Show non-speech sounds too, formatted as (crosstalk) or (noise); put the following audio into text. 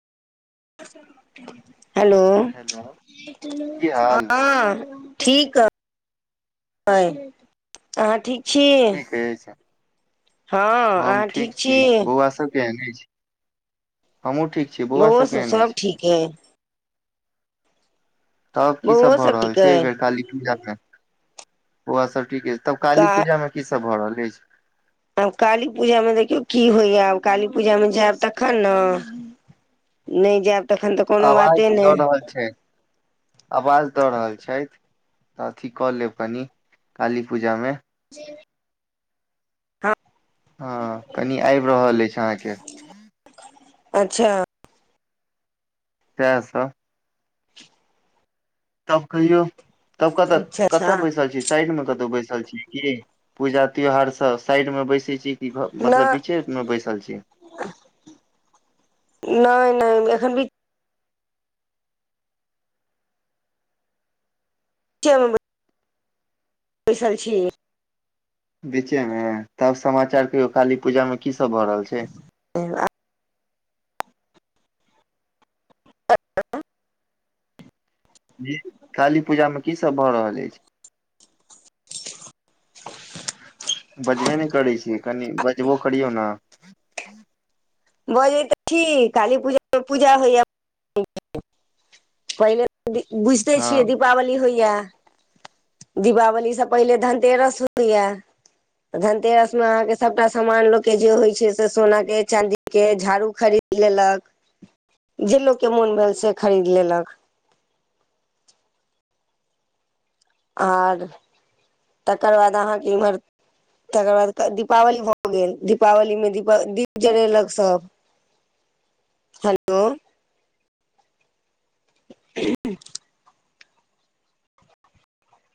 (unintelligible) Hello hello की हाल हँ ठीक ह कहे अ अहाँ ठीक छी ठीक अयछ हम ठीक छी। बौआ सबकेन छी? हमु ठीक। बौआ बौउ सब केहन सब अछि ठीक है? तब की सब बौओ भए रहल ठीक छै एहि अइ बेर काली पूजा मे ओह सब ठीक तब का काली पूजा में की सब भऽ रहल अछि? आब काली पूजामे देखियौ की होइया आब काली पूजामे जायब तखन ने नहि जायब तखन तऽ कोनो बाते ने। ब छै। आवाज दऽ रहल छथि तऽ अथी कऽ लेब कनि काली पूजामे। जी हँ कनि आबि रहल अछि अहाँके अच्छा तसँ तब कहियो तब कतऽ अच्छा अच्छा कतऽ पैसा छी। साइड मे कतौ बैसल छी की पूजा त्योहार सब साइड में बैसे छी। ई घ मतलब नहि बीचे में बैसल छी। नहि नहि एखन भी च (unintelligible) बैसल छी। बीचे मे तब समाचार कहियौ काली पूजा मे की सब भऽ रहल छै? (unintelligible) ह अच्छा (unintelligible) जी काली पूजा मे की सब भऽ रहल अछि? बजबे नहि करै छ कनि बजबो करियौ ने। बजे तऽ ठ काली पूजा पूजा होइयहिले (unintelligible) बुझिते हँ छियै दीपावली होइया। दीपावली से पहिले धनतेरस होैया। धनतेरस में अहाँ के सबटा समामान लोक के जे होइ छै से सोना के चाँदी। के झाड़ू खरीद लेलक जे लोक के मोन भेल से खरीद लेलक। आर तकर बाद अहाँके इम्हर तकर बाद क दीपावली भऽ गेल दीपावली मे दीपक दीप जरेलक सब हेलो। (inaudible)